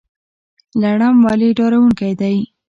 لړم ولې ډارونکی دی؟